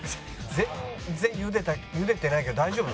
全然ゆでたゆでてないけど大丈夫？